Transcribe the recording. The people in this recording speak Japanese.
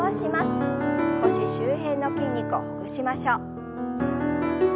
腰周辺の筋肉をほぐしましょう。